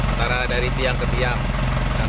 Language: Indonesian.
antara dari tiang ke tiang